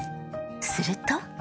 すると。